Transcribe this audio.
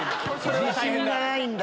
自信がないんだ。